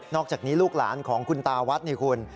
อกจากนี้ลูกหลานของคุณตาวัดนี่คุณ